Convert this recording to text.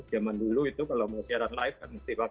zaman dulu itu kalau mau siaran live kan mesti pakai